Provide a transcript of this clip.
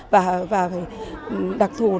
và đặc thù